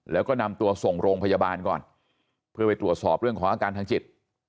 แล้วก็นำตัวส่งโรงพยาบาลก่อนเพื่อไปตรวจสอบเรื่องของอาการทางจิต